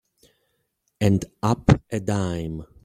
And up a dime.